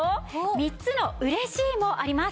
３つのうれしい！もあります。